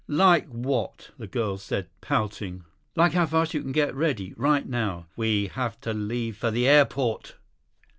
"Like what?" the girl said, pouting. "Like how fast you can get ready. Right now. We have to leave for the airport."